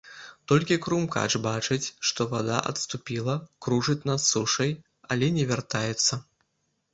Толькі крумкач бачыць, што вада адступіла, кружыць над сушай, але не вяртаецца.